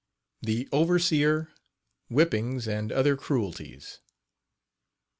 THE OVERSEER WHIPPINGS AND OTHER CRUELTIES.